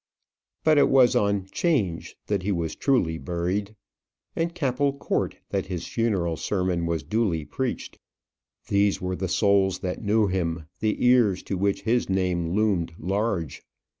But it was on 'Change that he was truly buried; in Capel Court that his funeral sermon was duly preached. These were the souls that knew him, the ears to which his name loomed large.